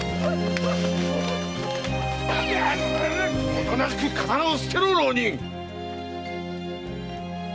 おとなしく刀を捨てろ！浪人！